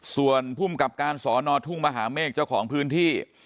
ส่วนภูมิกับการสอนอทุ่งมหาเมฆเจ้าของพื้นที่